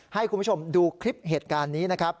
ให้คุณผู้ชมดูคลิปเหตุการณ์นี้นะครับ